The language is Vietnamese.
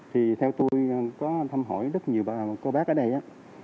thì theo tôi có thăm hỏi rất nhiều bác ở đây á